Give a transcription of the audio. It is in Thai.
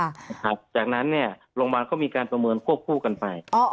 หลังจากนั้นเนี่ยโรงพยาบาลก็มีการประเมินควบคู่กันไป